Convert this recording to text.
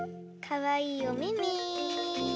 かわいいおめめ。